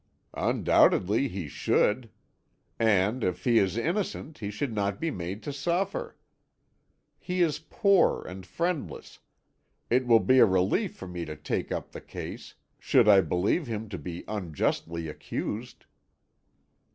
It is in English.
"Undoubtedly he should. And if he is innocent, he should not be made to suffer. He is poor and friendless; it will be a relief for me to take up the case, should I believe him to be unjustly accused."